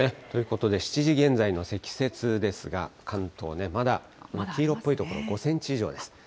ということで、７時現在の積雪ですが、関東ね、まだ黄色っぽい所、５センチ以上です。